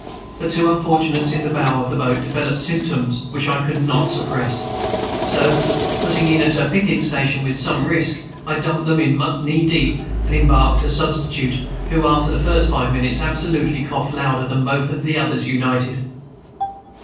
But two unfortunates in the bow of the boat developed symptoms which I could not suppress; so, putting in at a picket station, with some risk I dumped them in mud knee deep, and embarked a substitute, who after the first five minutes absolutely coughed louder than both the others united.